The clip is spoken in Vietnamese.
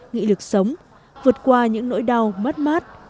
nghị lực sống vượt qua những nỗi đau mất mát